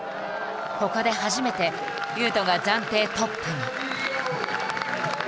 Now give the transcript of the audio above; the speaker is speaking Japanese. ここで初めて雄斗が暫定トップに。